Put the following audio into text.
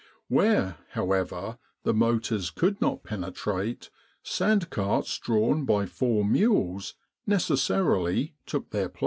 Where, however, the motors could not penetrate, sand carts drawn by four mules necessarily took their place.